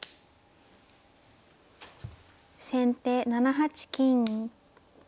先手７八金。